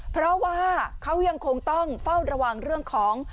เพราะว่าเขายังคงต้องเฝ้าระวังเรื่องของ